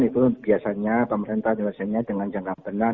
itu biasanya pemerintah biasanya dengan jangka benah